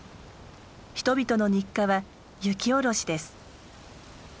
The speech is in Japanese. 人々の日課は雪下ろしです。